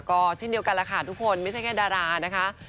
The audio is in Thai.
ก็เช่นเดียวกันแล้วค่ะทุกคนไม่ใช่แค่ดารานะคะ